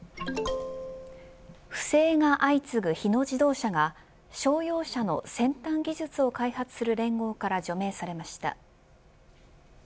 不正が相次ぐ日野自動車が商用車の先端技術を開発する連合から除名されました。